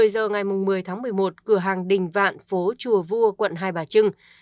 một mươi giờ ngày một mươi tháng một mươi một cửa hàng đình vạn phố chùa vua quận hai bà trưng